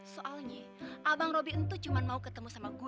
soalnya abang robi itu cuma mau ketemu sama gue